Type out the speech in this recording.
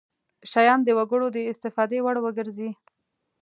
شیان د وګړو د استفادې وړ وګرځي.